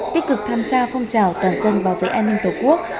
tích cực tham gia phong trào toàn dân bảo vệ an ninh tổ quốc